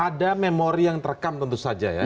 ada memori yang terekam tentu saja ya